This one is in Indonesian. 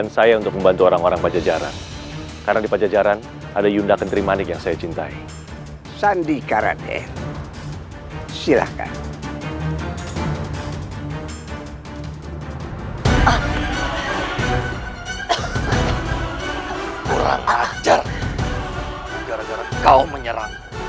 sampai jumpa di video selanjutnya